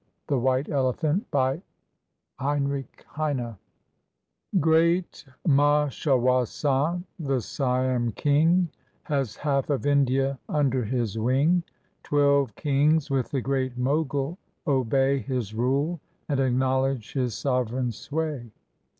THE WHITE ELEPHANT BY HEINRICH HEINE Great Mashawasant, the Siam King, Has half of India under his wing, Twelve kings, with the Great Mogul, obey His rule, and acknowledge his sovereign sway.